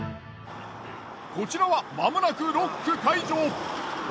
こちらはまもなくロック解除！